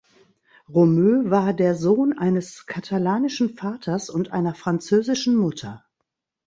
Romeu war der Sohn eines katalanischen Vaters und einer französischen Mutter.